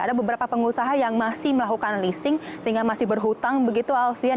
ada beberapa pengusaha yang masih melakukan leasing sehingga masih berhutang begitu alfian